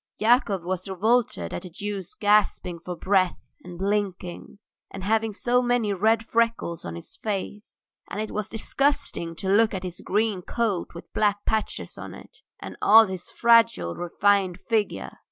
Yakov was revolted at the Jew's gasping for breath and blinking, and having so many red freckles on his face. And it was disgusting to look at his green coat with black patches on it, and all his fragile, refined figure.